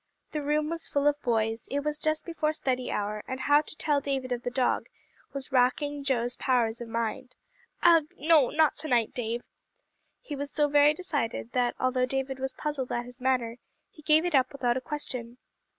The room was full of boys; it was just before study hour, and how to tell David of the dog, was racking Joe's powers of mind. "Ugh! no, not to night, Dave." He was so very decided that although David was puzzled at his manner, he gave it up without a question.